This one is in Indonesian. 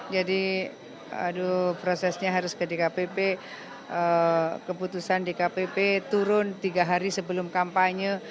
jadi prosesnya harus ke dkpp keputusan dkpp turun tiga hari sebelum kampanye